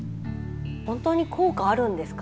本当に効果あるんですか？